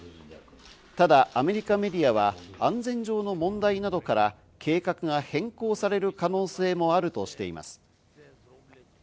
ただアメリカメディアは安全上の問題などから、計画が変更される可能性もあるとしています。